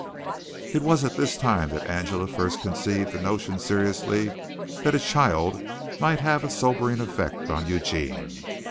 It was at this time that Angela first conceived the notion seriously that a child might have a sobering effect on Eugene.